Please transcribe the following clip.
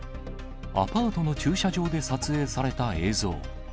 アパートの駐車場で撮影された映像。